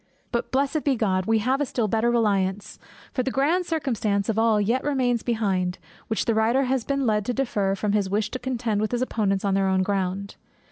But, blessed be God, we have a still better reliance; for the grand circumstance of all yet remains behind, which the writer has been led to defer, from his wish to contend with his opponents on their own ground.